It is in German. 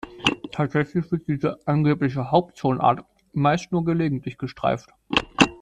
Tatsächlich wird diese angebliche "Haupttonart" meist nur gelegentlich gestreift.